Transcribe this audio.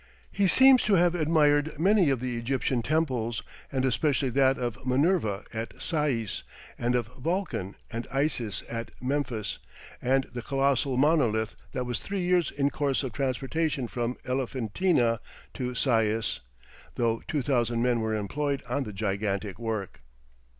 He seems to have admired many of the Egyptian temples, and especially that of Minerva at Sais, and of Vulcan and Isis at Memphis, and the colossal monolith that was three years in course of transportation from Elephantina to Sais, though 2000 men were employed on the gigantic work.